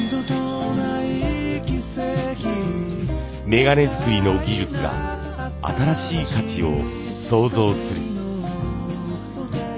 メガネ作りの技術が新しい価値を創造する。